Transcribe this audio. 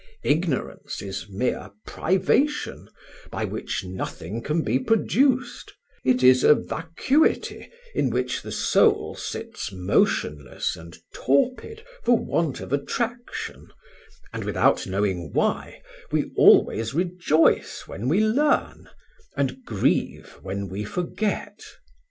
Ignorance is mere privation, by which nothing can be produced; it is a vacuity in which the soul sits motionless and torpid for want of attraction, and, without knowing why, we always rejoice when we learn, and grieve when we forget.